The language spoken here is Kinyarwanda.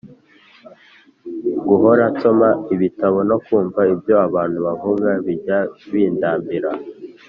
Guhora nsoma ibitabo no kumva ibyo abantu bavuga bijya bindambira